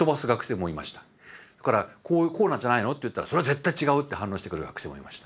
それから「こうなんじゃないの？」って言ったら「それ絶対違う！」って反論してくる学生もいました。